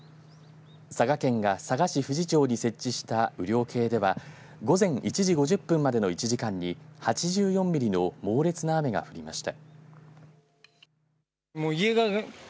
佐賀県が佐賀市富士町に設置した雨量計では午前１時５０分までの１時間に８４ミリの猛烈な雨が降りました。